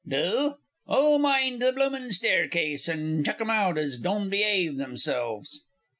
Do? oh, mind the bloomin' staircase, and chuck out them as don' beyave themselves.